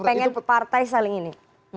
pengen partai saling ini